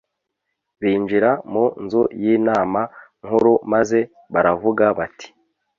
binjira mu nzu y'inama nkuru maze baravuga bati